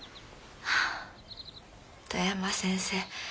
富山先生